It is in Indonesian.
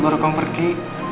baru kamu pergi